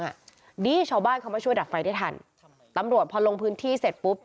ดีชาวบ้านเขามาช่วยดับไฟได้ทันตำรวจพอลงพื้นที่เสร็จปุ๊บ